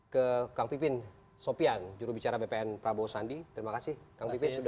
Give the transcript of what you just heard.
ke kang pipin sopian jurubicara bpn prabowo sandi terima kasih kang pipin sudah